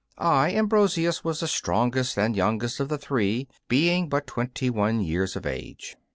I, Ambrosius, was the strongest and youngest of the three, being but twenty one years of age.